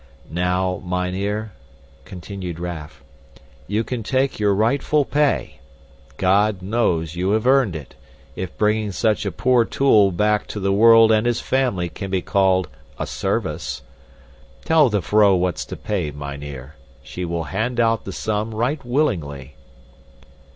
"Now, mynheer," continued Raff, "you can take your rightful pay. God knows you have earned it, if bringing such a poor tool back to the world and his family can be called a service. Tell the vrouw what's to pay, mynheer. She will hand out the sum right willingly."